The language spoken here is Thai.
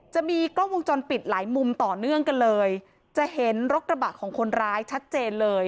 จะมีกล้องวงจรปิดหลายมุมต่อเนื่องกันเลยจะเห็นรถกระบะของคนร้ายชัดเจนเลย